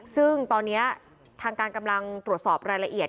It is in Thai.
ซึ่งตอนนี้ทางการกำลังตรวจสอบรายละเอียด